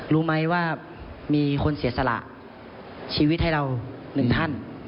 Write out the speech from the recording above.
รู้ไหมว่ามีคนเสียสละชีวิตให้เราหนึ่งท่าน